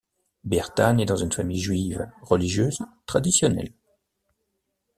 Bertha nait dans une famille juive religieuse traditionnelle.